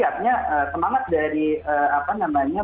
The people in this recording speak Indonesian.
artinya semangat dari apa namanya